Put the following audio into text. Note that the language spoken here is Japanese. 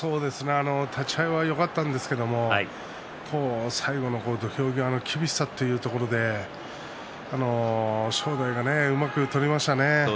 立ち合いはよかったんですけれど最後の土俵際の厳しさというところで正代がうまく取りましたね。